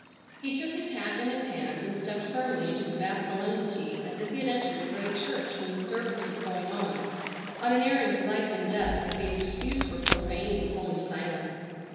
He took his hat in his hand and stepped firmly into the vast solemnity as if he had entered a great church when the service was going on, on an errand of life and death that gave excuse for profaning the holy silence.